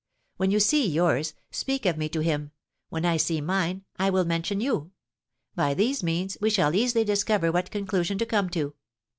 When you see yours, speak of me to him; when I see mine, I will mention you; by these means we shall easily discover what conclusion to come to."